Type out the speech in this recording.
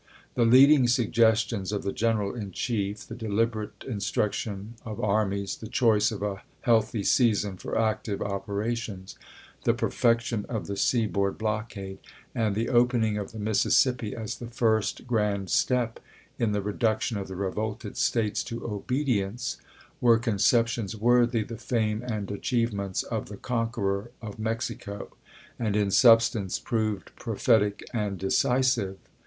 The leading suggestions of the Gen eral in Chief, the deliberate instruction of armies, the choice of a healthy season for active operations, the perfection of the seaboard blockade, and the opening of the Mississippi as the first grand step in the reduction of the revolted States to obedience, were conceptions worthy the fame and achieve ments of the conqueror of Mexico, and in substance proved prophetic and decisive.